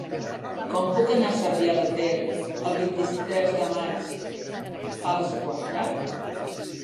Com puc anar a Cervià de Ter el vint-i-tres de maig a les quatre?